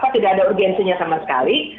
tidak ada urgensinya sama sekali